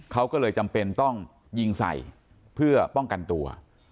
เขาก็เลยจำเป็นต้องยิงใส่เพื่อป้องกันตัว